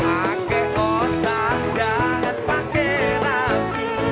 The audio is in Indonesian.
pake otak jangan pake nafsu